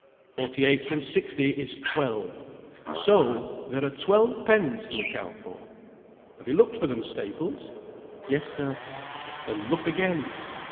"Forty eight from sixty is twelve: so there are twelve pens to account for. Have you looked for them, Staples?" "Yes, sir." "Then look again."